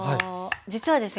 実はですね